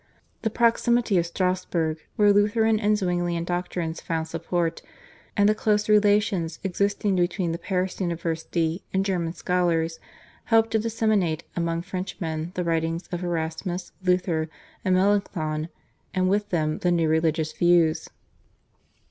The proximity of Strassburg, where Lutheran and Zwinglian doctrines found support, and the close relations existing between the Paris University and German scholars helped to disseminate among Frenchmen the writings of Erasmus, Luther, and Melanchthon and with them the new religious views.